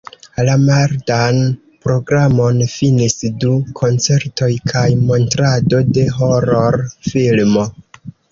La mardan programon finis du koncertoj kaj montrado de horor-filmo.